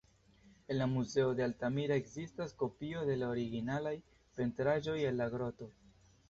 En la muzeo de Altamira ekzistas kopio de la originalaj pentraĵoj el la groto.